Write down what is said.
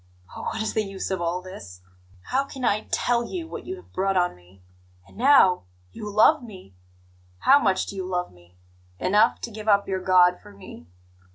Oh, what is the use of all this! How can I TELL you what you have brought on me? And now you love me! How much do you love me? Enough to give up your God for me?